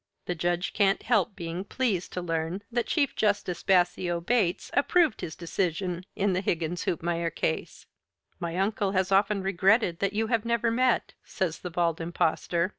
The Judge can't help being pleased to learn that Chief Justice Bassio Bates approved of his decision in the Higgins Hoopmeyer case. "My uncle has often regretted that you have never met," says the Bald Impostor.